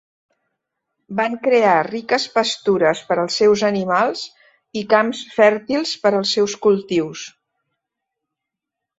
Van crear riques pastures per als seus animals i camps fèrtils per als seus cultius.